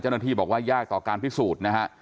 เจ้าหน้าที่บอกว่ายากต่อการพิสูจน์นะฮะ